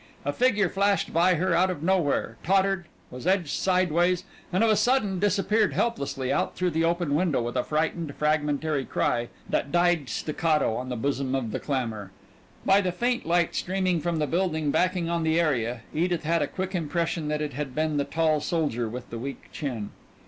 A figure flashed by her out of nowhere, tottered, was edged sideways, and of a sudden disappeared helplessly out through the open window with a frightened, fragmentary cry that died staccato on the bosom of the clamor. By the faint light streaming from the building backing on the area Edith had a quick impression that it had been the tall soldier with the weak chin.